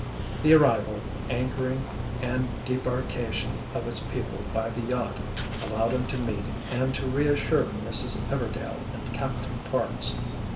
The arrival, anchoring and debarkation of its people by the yacht allowed him to meet and to reassure Mrs. Everdail and Captain Parks.